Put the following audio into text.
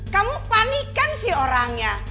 kamu panikan sih orangnya